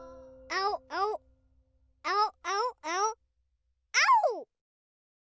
あお。